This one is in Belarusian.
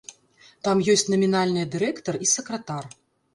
Там ёсць намінальныя дырэктар і сакратар.